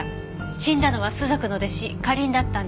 死んだのは朱雀の弟子花凛だったんです。